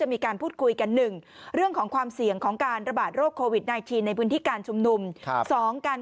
หมายถึงว่าพลังจากรัฐทรัพยาเสร็จแล้วเรามาเจอกันอีกที